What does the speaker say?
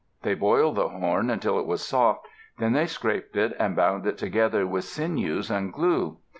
They boiled the horn until it was soft; then they scraped it, and bound it together with sinews and glue.